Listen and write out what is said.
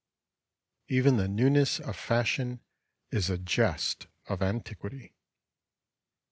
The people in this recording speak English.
Even the newness of Fashion is a jest of antiquity.